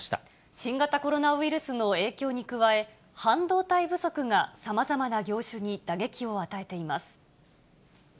新型コロナウイルスの影響に加え、半導体不足がさまざまな業種に打撃を与えています。